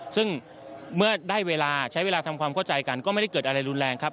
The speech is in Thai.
ซึ่งเมื่อได้เวลาใช้เวลาทำความเข้าใจกันก็ไม่ได้เกิดอะไรรุนแรงครับ